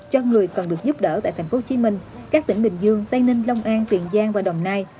cho người cần được giúp đỡ tại tp hcm các tỉnh bình dương tây ninh long an tiền giang và đồng nai